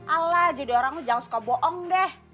ala jadi orang tuh jangan suka bohong deh